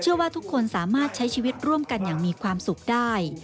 ว่าทุกคนสามารถใช้ชีวิตร่วมกันอย่างมีความสุขได้